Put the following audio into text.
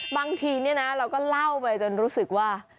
บางทีเราก็เล่าไปจนรู้สึกว่า